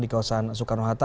di kawasan soekarno hatta